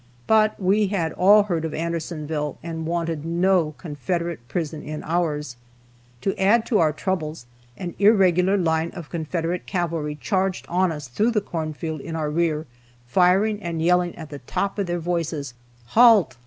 But we had all heard of Andersonville, and wanted no Confederate prison in ours. To add to our troubles, an irregular line of Confederate cavalry charged on us through the corn field in our rear, firing and yelling at the top of their voices, "Halt!